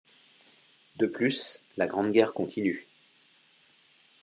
De plus, la Grande Guerre continue.